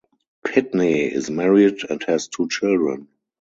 Pitney is married and has two children.